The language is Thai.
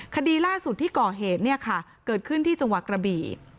คดีล่าสุดที่เกาะเหตุเกิดขึ้นที่จังหวัดกระบี